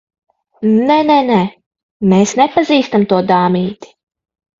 Nē, nē, nē. Mēs nepazīstam to dāmīti.